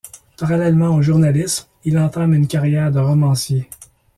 Parallèlement au journalisme, il entame une carrière de romancier.